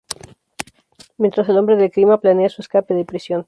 Mientras, el Hombre del Clima planea su escape de prisión.